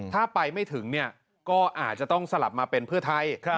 ถ้าไปไม่ถึงก็อาจจะต้องสลับมาเป็นเพื่อไทย